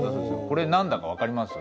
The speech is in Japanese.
これ何だか分かります？